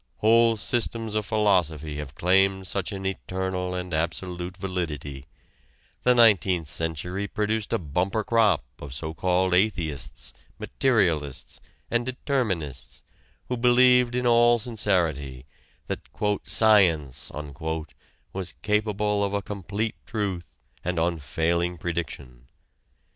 Whole systems of philosophy have claimed such an eternal and absolute validity; the nineteenth century produced a bumper crop of so called atheists, materialists and determinists who believed in all sincerity that "Science" was capable of a complete truth and unfailing prediction.